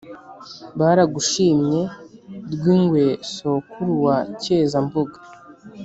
aragushimye rwingwe sokuru wa cyeza mbuga